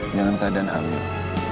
jangan keadaan alih